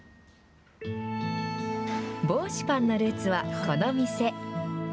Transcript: ぼうしパンのルーツはこの店。